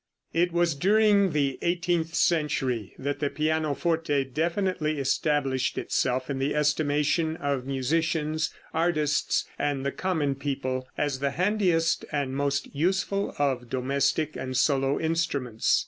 It was during the eighteenth century that the pianoforte definitely established itself in the estimation of musicians, artists and the common people, as the handiest and most useful of domestic and solo instruments.